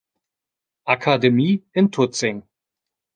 Akademie in Tutzing.